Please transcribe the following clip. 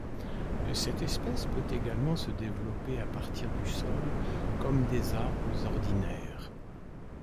Cette espèce peut également se développer à partir du sol comme des arbres ordinaires.